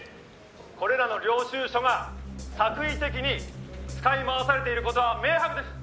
「これらの領収書が作為的に使い回されている事は明白です！